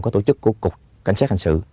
có tổ chức của cục cảnh sát hành sự